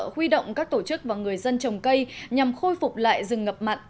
huy động các tổ chức và người dân trồng cây nhằm khôi phục lại rừng ngập mặn